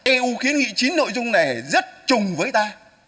eu kiến nghị chín nội dung này rất chung với ta